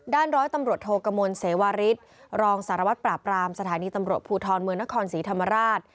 ร้อยตำรวจโทกมลเสวาริสรองสารวัตรปราบรามสถานีตำรวจภูทรเมืองนครศรีธรรมราช